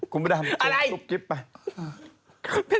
กูไม่ได้ทำคลิปทุกคลิปไป